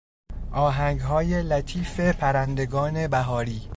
آهنگهای لطیف پرندگان بهاری